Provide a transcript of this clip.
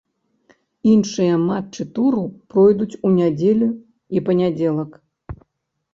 Іншыя матчы тура пройдуць у нядзелю і панядзелак.